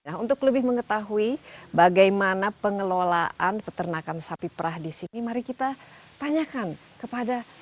nah untuk lebih mengetahui bagaimana pengelolaan peternakan sapi perah di sini mari kita tanyakan kepada